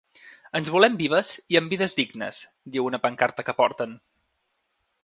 Ens volem vives i amb vides dignes, diu una pancarta que porten.